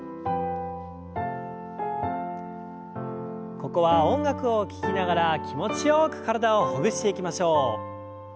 ここは音楽を聞きながら気持ちよく体をほぐしていきましょう。